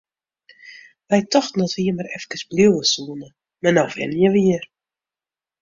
Wy tochten dat we hjir mar efkes bliuwe soene, mar no wenje we hjir!